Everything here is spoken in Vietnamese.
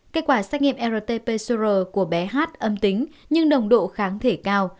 kết quả xét nghiệm rt p sero của bé h âm tính nhưng đồng độ kháng thể cao